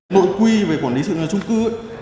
nội quy về quản lý sự ngân trung cư